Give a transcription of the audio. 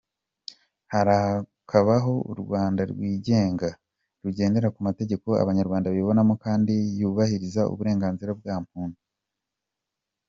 Harakabaho u Rwanda rwigenga, rugendera ku mategeko abanyarwanda bibonamo kandi yubahiriza uburenganzira bwa muntu.